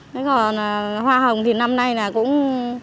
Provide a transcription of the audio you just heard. thế còn hoa hồng thì năm nay là cũng